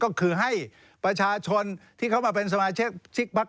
ก็คือให้ประชาชนที่เขามาเป็นสมาชิกชิกพัก